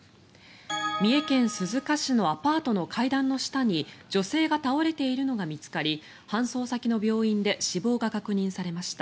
三重県鈴鹿市のアパートの階段の下に女性が倒れているのが見つかり搬送先の病院で死亡が確認されました。